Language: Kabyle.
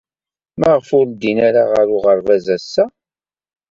Maɣef ur ddin ara ɣer uɣerbaz ass-a?